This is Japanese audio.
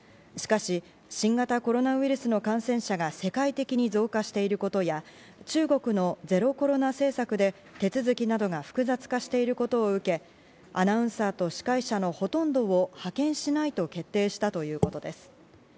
しかし、新型コロナウイルスの感染者が世界的に増加していることや、中国のゼロコロナ政策で手続きなどが複雑化していることを受け、アナウンサーと司会者のほとんどを派遣しないと決定したということです。